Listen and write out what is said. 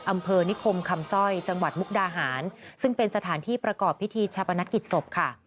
อำเภอนิคมคำสร้อยจังหวัดมุกดาหารซึ่งเป็นสถานที่ประกอบพิธีชาปนกิจศพค่ะ